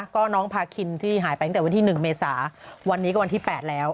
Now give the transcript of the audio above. ก็น้องพาคินที่หายไปตั้งแต่วันที่๑เมษาวันนี้ก็วันที่๘แล้ว